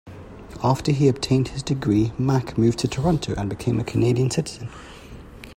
After he obtained his degree, Mak moved to Toronto and became a Canadian citizen.